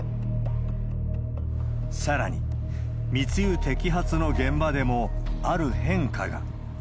さらに、密輸摘発の現場でも、ある変化が。